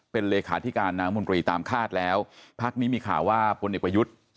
เป็นเลขาธิการนางมนตรีตามคาดแล้วพักนี้มีข่าวว่าพลเอกประยุทธ์